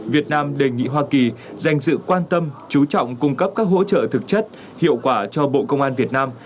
việt nam đề nghị hoa kỳ dành sự quan tâm chú trọng cung cấp các hỗ trợ thực chất hiệu quả cho bộ công an việt nam